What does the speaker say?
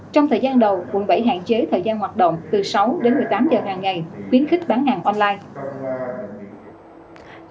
trong thời gian đầu quận bảy hạn chế thời gian hoạt động từ sáu đến một mươi tám giờ hàng ngày khuyến khích bán hàng online